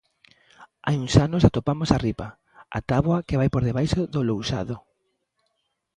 Hai uns anos atopamos a ripa, a táboa que vai por debaixo do lousado.